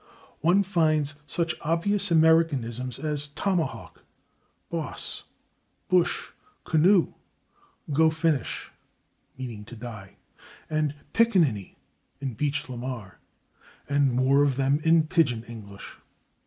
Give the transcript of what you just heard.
One finds such obvious Americanisms as /tomahawk/, /boss/, /bush/, /canoe/, /go finish/ (=/to die/) and /pickaninny/ in Beach la Mar and more of them in Pigeon English.